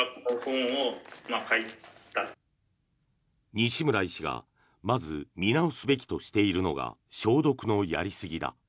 西村医師がまず見直すべきとしているのが消毒のやりすぎだ。